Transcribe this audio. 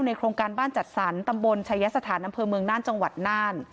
โครงการบ้านจัดสรรตำบลชายสถานอำเภอเมืองน่านจังหวัดน่าน